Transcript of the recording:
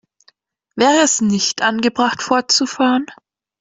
Wäre es nicht angebracht, fortzufahren?